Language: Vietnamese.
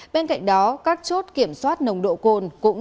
bên cạnh đó các chốt kiểm soát nồng độ cồn cũng